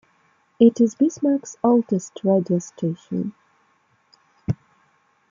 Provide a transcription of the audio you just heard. It is Bismarck's oldest radio station.